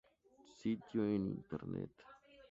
Sitio en Internet